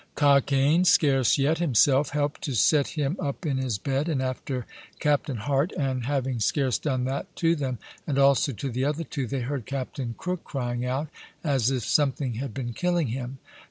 Cockaine, scarce yet himself, helpt to set him up in his bed, and after Captain Hart, and having scarce done that to them, and also to the other two, they heard Captain Crook crying out, as if something had been killing him.